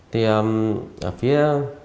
thì ở phía